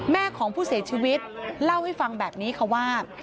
แม่ของผู้เสียชีวิตเล่าให้ฟังแบบนี้ค่ะว่า